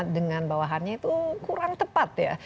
dengan bawahannya itu kurang tepat ya